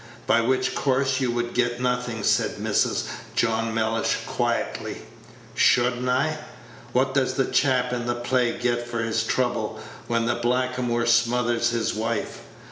"By which course you would get nothing," said Mrs. John Mellish, quietly. Page 89 "Should n't I? What does the chap in the play get for his trouble when the blackamoor smothers his wife?